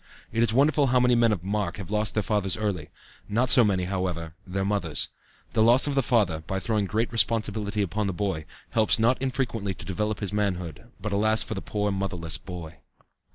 It is wonderful how many men of mark have lost their fathers early; not so many, however, their mothers. The loss of the father, by throwing great responsibility upon the boy, helps not infrequently to develop his manhood; but alas for the poor motherless boy.